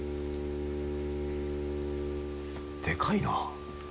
でかいなぁ。